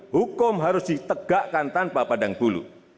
hukum harus ditegakkan tanpa pandang bulu